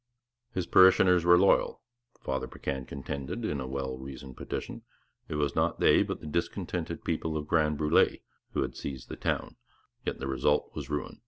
His parishioners were loyal, Father Paquin contended in a well reasoned petition; it was not they but the discontented people of Grand Brulé who had seized the town; yet the result was ruin.